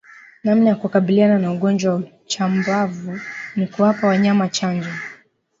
Namna ya kukabiliana na ugonjwa wa chambavu ni kuwapa wanyama chanjo